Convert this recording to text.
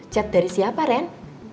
chat dari siapa ren